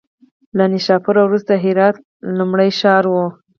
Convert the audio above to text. له نیشاپور وروسته هرات لومړی ښار و.